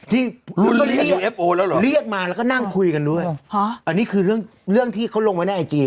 รุ่นเรียกมาแล้วก็นั่งคุยกันด้วยอันนี้คือเรื่องเรื่องที่เขาลงไว้ในไอจี